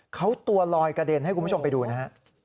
เขาตัวลอยกระเด็นให้คุณผู้ชมไปดูนะฮะ